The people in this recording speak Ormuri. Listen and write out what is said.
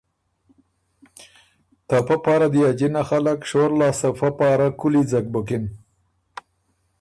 ته پۀ پاره دی ا جِنه خلق شور لاسته فۀ پاره کُولی ځک بُکِن